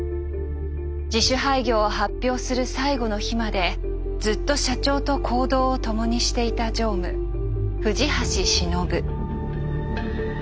自主廃業を発表する最後の日までずっと社長と行動を共にしていた常務藤橋忍。